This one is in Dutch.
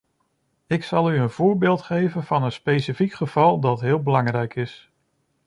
Ik zal u een voorbeeld geven van een specifiek geval dat heel belangrijk is.